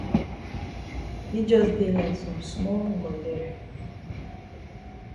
Yi jus dey like some small ngondere.